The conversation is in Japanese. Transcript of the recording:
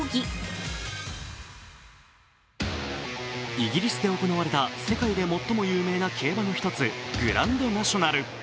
イギリスで行われた世界で最も有名な競馬の一つグランドナショナル。